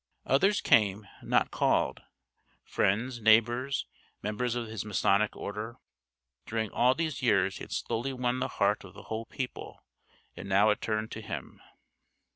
Others came, not called: friends, neighbors, members of his Masonic order. During all these years he had slowly won the heart of the whole people, and now it turned to him.